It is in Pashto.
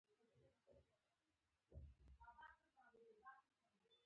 دوی خو هېڅ ډول نظامي فعالیت نه دی کړی